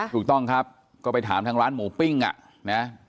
ถูกต้องครับก็ไปถามทางร้านหมูปิ้งอ่ะนะ